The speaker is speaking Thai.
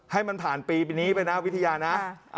ให้มันผ่านปีนี้ไปนะวิทยานะ